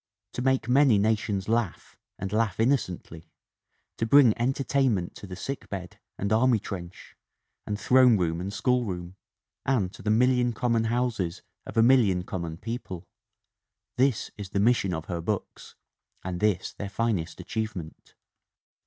To make many nations laugh and laugh inno cently ; to bring entertainment to the sickbed and army trench and throne room and schoolroom; and to the million common houses of a million common people this is the mission of her books and this their finest achievement."